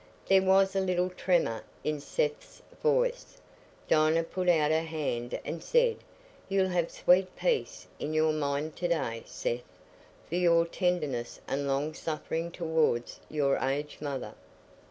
There was a little tremor in Seth's voice. Dinah put out her hand and said, "You'll have sweet peace in your mind to day, Seth, for your tenderness and long suffering towards your aged mother."